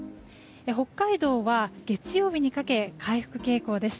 北海道は月曜日にかけ回復傾向です。